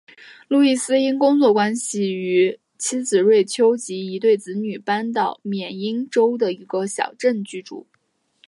路易斯因工作关系与妻子瑞秋及一对子女搬到缅因州的一个小镇居住。